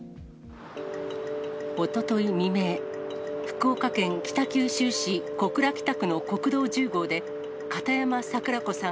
おととい未明、福岡県北九州市小倉北区の国道１０号で、片山桜子さん